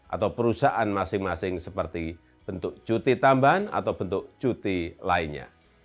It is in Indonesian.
atau perusahaan masing masing seperti bentuk cuti tambahan atau bentuk cuti lainnya